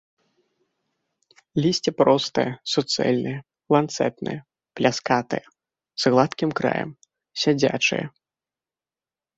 Лісце простае, суцэльнае, ланцэтнае, пляскатае, з гладкім краем, сядзячае.